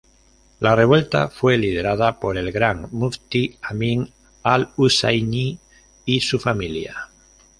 La revuelta fue liderada por el Gran Muftí Amin al-Husayni y su familia.